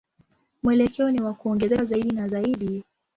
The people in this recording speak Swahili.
Mwelekeo ni wa kuongezeka zaidi na zaidi.